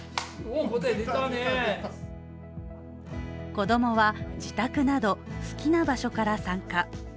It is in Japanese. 子どもは自宅など、好きな場所から参加。